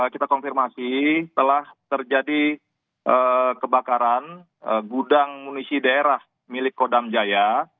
kita konfirmasi telah terjadi kebakaran gudang munisi daerah milik kodam jaya